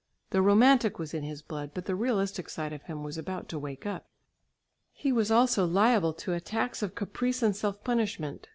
The romantic was in his blood, but the realistic side of him was about to wake up. He was also liable to attacks of caprice and self punishment.